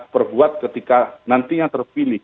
perbuat ketika nantinya terpilih